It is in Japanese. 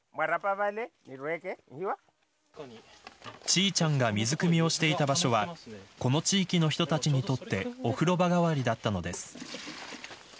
チーチャンが水くみをしていた場所はこの地域の人たちにとってお風呂場代わりだったのです。